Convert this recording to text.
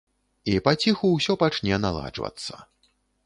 І паціху ўсё пачне наладжвацца.